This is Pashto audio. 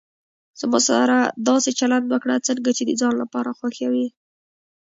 زما سره داسي چلند وکړه، څنګه چي د ځان لپاره خوښوي.